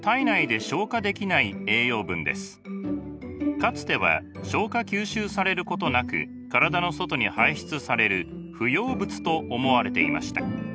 かつては消化吸収されることなく体の外に排出される不要物と思われていました。